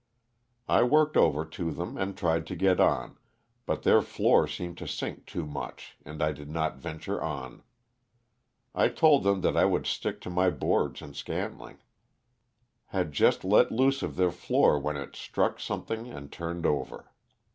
I worked over to them and tried to get on, but their floor seemed to sink too much and I did not venture on. I told them that I would stick to my boards and scantling. Had just let loose of their floor when it struck something and turned over.